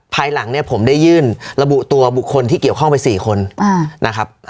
ภายหลังเนี่ยผมได้ยื่นระบุตัวบุคคลที่เกี่ยวข้องไป๔คนนะครับ